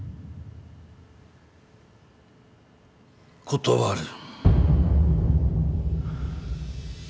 断る。